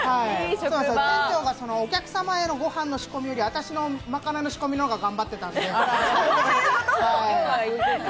店長がお客様へのご飯の仕込みより、私のまかないの仕込みの方が頑張ってたんで。